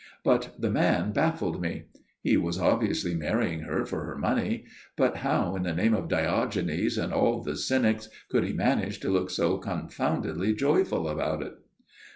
But the man baffled me. He was obviously marrying her for her money; but how in the name of Diogenes and all the cynics could he manage to look so confoundedly joyful about it?